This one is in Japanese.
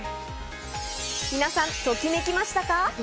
皆さん、ときめきましたか？